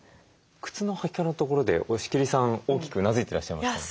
靴の履き方のところで押切さん大きくうなずいてらっしゃいましたね。